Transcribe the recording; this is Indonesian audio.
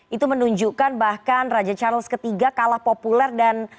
itu menunjukkan bahkan raja charles ketiga kalah populer dan tidak begitu disukainya